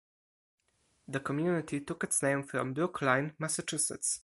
The community took its name from Brookline, Massachusetts.